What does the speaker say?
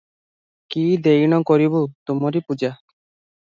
କି ଦେଇଣ କରିବୁ ତମରି ପୂଜା